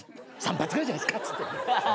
３発ぐらいじゃないっすかっつって。